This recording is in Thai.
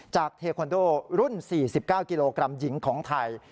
เทคอนโดรุ่น๔๙กิโลกรัมหญิงของไทย